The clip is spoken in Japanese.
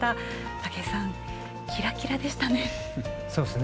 武井さん、キラキラでしたね。